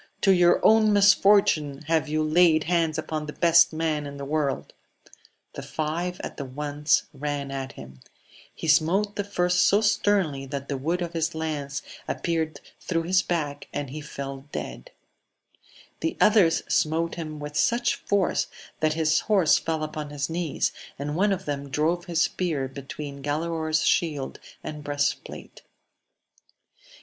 to your own mMortune have you laid hands upon the best man in the world ! The five at once ran at him ; he smote the first so sternly, that the wood of his lance appeared through his back, and he fell dead ; the others smote him with such force that his horse fell upon his knees, and one of them drove his spear between Galaor's shield and breast plate.